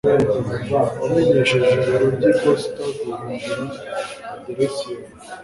wamenyesheje ibiro byiposita guhindura aderesi yawe